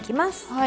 はい。